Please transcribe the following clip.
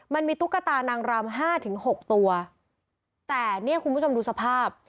ตุ๊กตานางรำห้าถึงหกตัวแต่เนี่ยคุณผู้ชมดูสภาพ